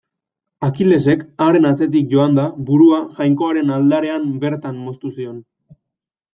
Akilesek, haren atzetik joanda, burua jainkoaren aldarean bertan moztu zion.